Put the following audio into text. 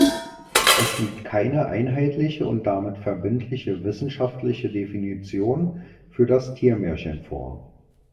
Es liegt keine einheitliche und damit verbindliche wissenschaftliche Definition für das Tiermärchen vor.